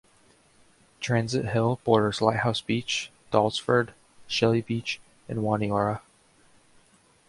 Transit Hill borders Lighthouse Beach, Dahlsford, Shelly Beach and Waniora.